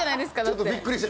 ちょっとびっくりして。